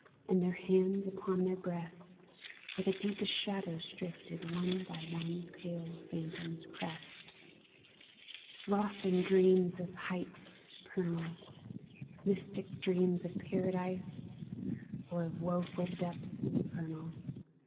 And their hands upon their breasts, Where the deepest shadows drifted. One by one pale phantoms pressed. Lost in dreams of heights supernal, Mystic dreams of Paradise, Or of woful depths infernal.